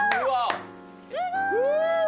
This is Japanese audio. すごい！